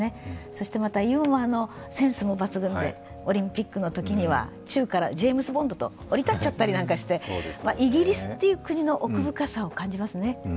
そしてまた、ユーモアのセンスも抜群で、オリンピックのときには宙からジェームス・ボンドと降り立っちゃったりなんかしてイギリスという国の奥深さを感じますね。